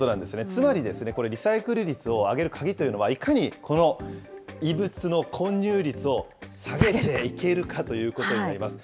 つまり、これ、リサイクル率を上げる鍵というのは、いかにこの異物の混入率を下げていけるかということになります。